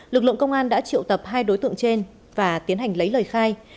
lực lượng công an đã triệu tập hai đối tượng trên và tiến hành lấy lời khai